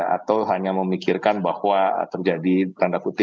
atau hanya memikirkan bahwa terjadi tanda kutip